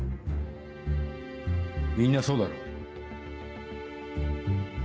みんなそうだろ？